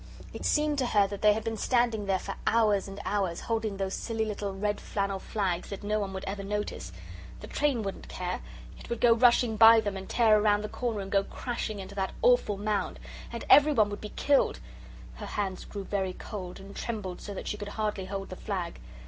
It seemed to her that they had been standing there for hours and hours, holding those silly little red flannel flags that no one would ever notice. The train wouldn't care. It would go rushing by them and tear round the corner and go crashing into that awful mound. And everyone would be killed. Her hands grew very cold and trembled so that she could hardly hold the flag.